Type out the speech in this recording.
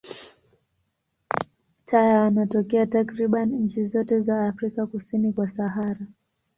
Taya wanatokea takriban nchi zote za Afrika kusini kwa Sahara.